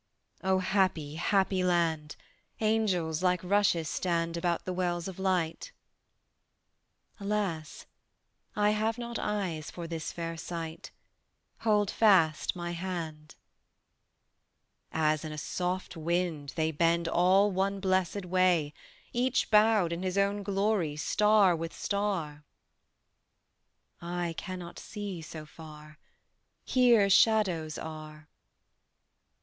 "O happy happy land! Angels like rushes stand About the wells of light." "Alas, I have not eyes for this fair sight: Hold fast my hand." "As in a soft wind, they Bend all one blessed way, Each bowed in his own glory, star with star." "I cannot see so far, Here shadows are."